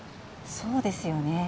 そうですよね